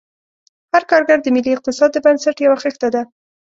هر کارګر د ملي اقتصاد د بنسټ یوه خښته ده.